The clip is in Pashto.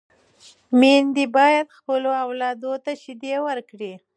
میندې باید خپلو اولادونو ته شیدې ورکړي.